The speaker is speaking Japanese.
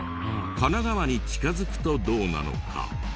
神奈川に近づくとどうなのか？